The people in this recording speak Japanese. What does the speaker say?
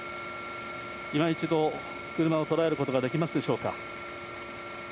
今一度、車を捉えることができますでしょうか。